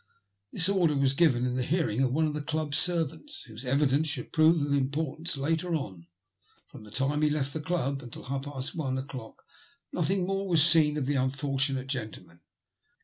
This order was given in the hearing of one of the Club servants, whose evidence should prove of importance later on. From the time he left the Club until half past one o*clock nothing more was seen of the unfortunate gentleman.